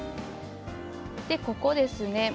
ここですね。